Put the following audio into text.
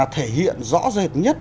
thể hiện rõ rệt nhất